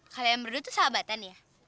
kalian berdua tuh sahabatan ya